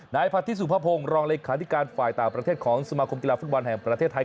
นายพัทธิสุภพงศ์รองเลขาธิการฝ่ายต่างประเทศของสมาคมกีฬาฟุตบอลแห่งประเทศไทย